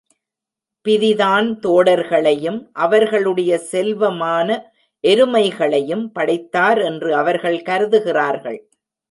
பிதிதான் தோடர்களையும், அவர்களுடைய செல்வமான எருமைகளையும் படைத்தார் என்று அவர்கள் கருதுகிறார்கள்.